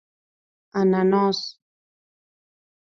🍍 انناس